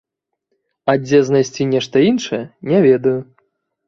А дзе знайсці нешта іншае, не ведаю.